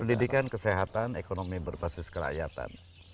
pendidikan kesehatan ekonomi berbasis kerakyatan